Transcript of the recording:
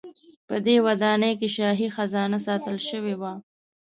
په دې ودانۍ کې شاهي خزانه ساتل شوې وه.